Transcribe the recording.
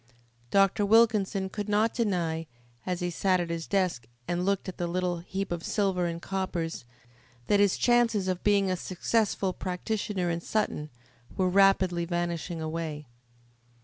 Dr. Wilkinson could not deny, as he sat at his desk and looked at the little heap of silver and coppers, that his chances of being a successful practitioner in Sutton were rapidly vanishing away.